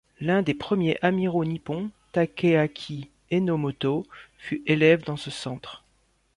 L'un des premiers amiraux nippons, Takeaki Enomoto, fut élève dans ce centre.